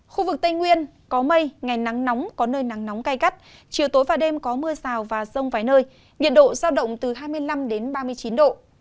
khu vực tây nguyên có mây ngày nắng nóng có nơi nắng nóng cay gắt chiều tối và đêm có mưa rào và rông vài nơi nhiệt độ giao động từ hai mươi năm ba mươi chín độ